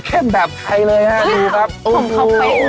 เข้มแบบไทยเลยนะดูปะ